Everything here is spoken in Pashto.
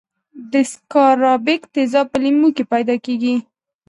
د سکاربیک تیزاب په لیمو کې پیداکیږي.